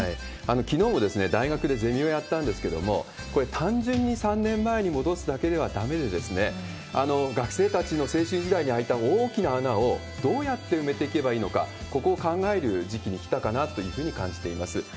きのうも大学でゼミをやったんですけれども、これ、単純に３年前に戻すだけではだめで、学生たちの青春時代に開いた大きな穴をどうやって埋めていけばいいのか、ここを考える時期に来たかなというふうに感じています。